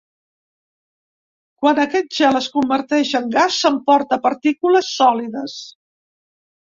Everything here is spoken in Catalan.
Quan aquest gel es converteix en gas s’emporta partícules sòlides.